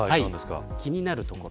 気になるところ。